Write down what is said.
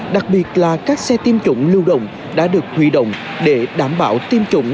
đặc biệt là các xe tiêm chủng lưu động đã được huy động để đảm bảo tiêm chủng